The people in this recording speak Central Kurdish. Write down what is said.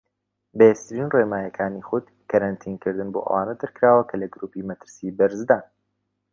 بەهێزترین ڕێنماییەکانی خود کەرەنتین کردن بۆ ئەوانە دەرکراوە کە لە گروپی مەترسی بەرزدان.